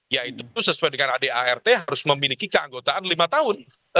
yaitu sesuai dengan adart harus memiliki keanggotaan lima tahun